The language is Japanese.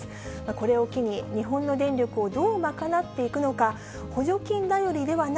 これを機に、日本の電力をどう賄っていくのか、補助金頼りではな